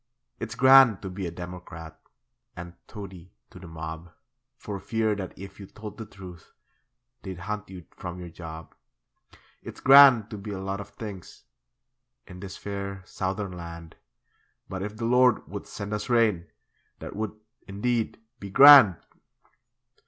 It's grand to be a democrat And toady to the mob, For fear that if you told the truth They'd hunt you from your job. It's grand to be a lot of things In this fair Southern land, But if the Lord would send us rain, That would, indeed, be grand!